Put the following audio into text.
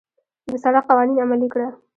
د سړک قوانين عملي کړه.